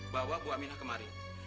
bawa bu aminah kemari